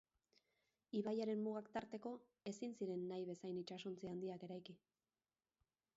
Ibaiaren mugak tarteko, ezin ziren nahi bezain itsasontzi handiak eraiki.